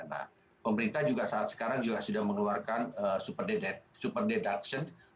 nah pemerintah juga saat sekarang juga sudah mengeluarkan super deduction